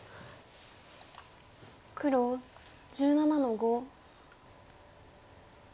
黒１７の五。